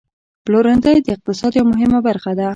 پلورنځی د اقتصاد یوه مهمه برخه ده.